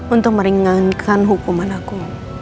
untuk meringankan hukuman aku